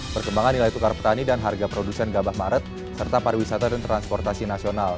perkembangan nilai tukar petani dan harga produsen gabah maret serta pariwisata dan transportasi nasional